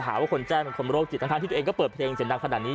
หาว่าคนแจ้งเป็นคนโรคจิตทั้งที่ตัวเองก็เปิดเพลงเสียงดังขนาดนี้